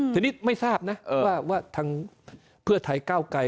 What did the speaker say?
ทีนี้ไม่ทราบนะว่าทางเพื่อไทยก้าวไกร